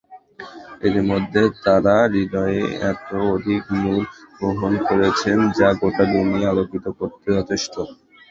ইতিমধ্যে তারা হৃদয়ে এতো অধিক নূর গ্রহণ করেছেন যা গোটা দুনিয়া আলোকিত করতে যথেষ্ট।